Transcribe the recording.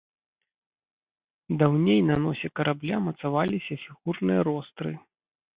Даўней на носе карабля мацаваліся фігурныя ростры.